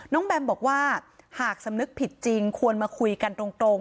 แบมบอกว่าหากสำนึกผิดจริงควรมาคุยกันตรง